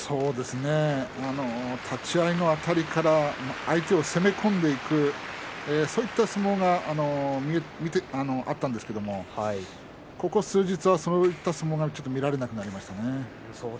立ち合いのあたりから相手を攻め込んでいくそういった相撲があったんですけどもここ数日はそういった相撲が見られなくなりましたね。